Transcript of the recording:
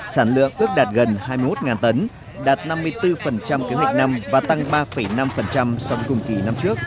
sản lượng ước đạt gần hai mươi một tấn đạt năm mươi bốn kế hoạch năm và tăng ba năm so với cùng kỳ năm trước